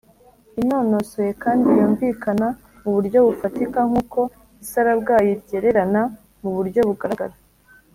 inonosoye kandi yumvikana mu buryo bufatika nkuko isarabwayi ryererana mu buryo bugaragara